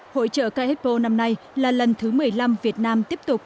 hỗ trợ k expo năm nay là lần thứ một mươi năm việt nam tiếp tục